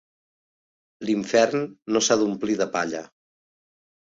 L'infern no s'ha d'omplir de palla.